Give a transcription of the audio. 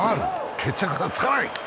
決着がつかない。